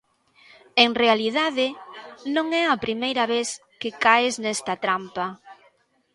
En realidade, non é a primeira vez que caes nesta trampa.